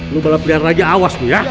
lo balap liat lagi awas bu ya